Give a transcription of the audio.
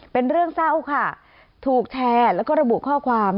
เป็นเรื่องเศร้าค่ะถูกแชร์แล้วก็ระบุข้อความ